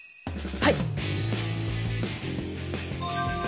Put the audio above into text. はい。